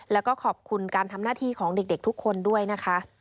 แล้วก็ขอบคุณการทำหน้าที่ของเด็กทุกคนด้วยนะคะ